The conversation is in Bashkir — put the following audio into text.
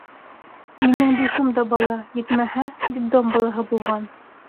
Минең дуҫым да бала, етмәһә, детдом балаһы булған.